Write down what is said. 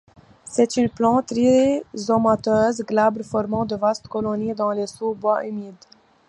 C'est une plante rhizomateuse, glabre, formant de vastes colonies dans les sous-bois humides.